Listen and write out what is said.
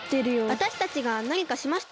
わたしたちが何かしました？